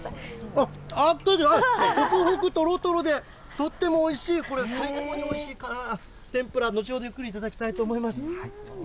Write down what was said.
あっ、熱いけど、ほくほくとろとろで、とってもおいしい、これ、最高においしい、天ぷら、後ほどゆっくり頂きたいと思います。